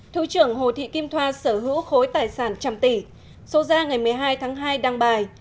thứ trưởng hồ thị kim thoa sở hữu khối tài sản trăm tỷ số ra ngày một mươi hai tháng hai đăng bài